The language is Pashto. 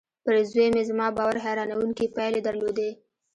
پر زوی مې زما باور حيرانوونکې پايلې درلودې.